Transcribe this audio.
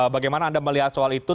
bagaimana anda melihat soal itu